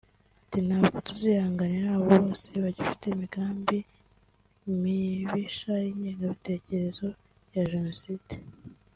Ati “Ntabwo tuzihanganira abo bose bagifite imigambi mibisha y’ingengabitekerezo ya jenoside